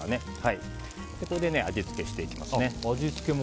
これで味付けしていきますね。